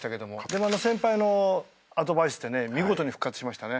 でもあの先輩のアドバイスでね見事に復活しましたね。